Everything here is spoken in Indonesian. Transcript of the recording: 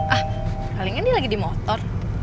ah palingnya dia lagi di motor